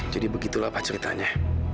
jadi begitulah pak ceritanya